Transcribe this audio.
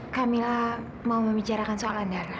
kak mila mau membicarakan soalan darah